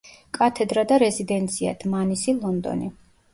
კათედრა და რეზიდენცია: დმანისი, ლონდონი.